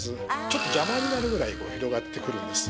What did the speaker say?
ちょっと邪魔になるぐらいこう広がってくるんです。